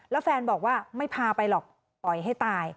แล้วแฟนบอกว่าไม่พาไปหรอกปล่อยให้ตาย